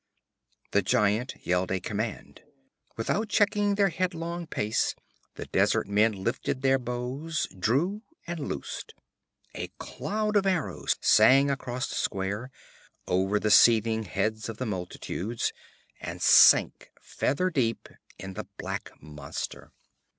_' The giant yelled a command. Without checking their headlong pace, the desert men lifted their bows, drew and loosed. A cloud of arrows sang across the square, over the seething heads of the multitudes, and sank feather deep in the black monster.